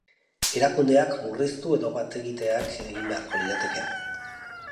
Erakundeak murriztu edo bat-egiteak egin beharko lirateke?